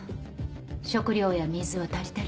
食料や水は足りてる？